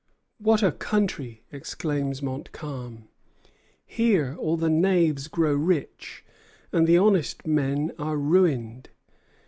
"What a country!" exclaims Montcalm. "Here all the knaves grow rich, and the honest men are ruined."